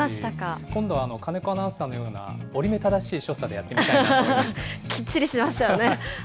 今度、金子アナウンサーのような折り目正しい所作でやってみたいなと思きっちりしましたよね。